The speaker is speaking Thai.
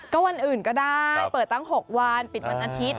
ก็วันอื่นก็ได้เปิดตั้ง๖วันปิดวันอาทิตย